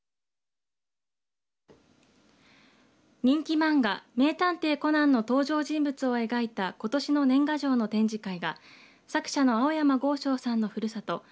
人気漫画、名探偵コナンの登場人物を描いたことしの年賀状の展示会が作者の青山剛昌さんのふるさと